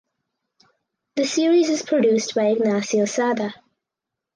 The series is produced by Ignacio Sada.